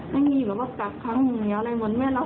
ไม่มีแบบว่ากลับครั้งอย่างไรเหมือนแม่เล้ว